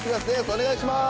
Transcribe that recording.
お願いします。